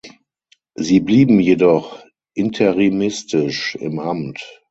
Sie blieben jedoch interimistisch im Amt.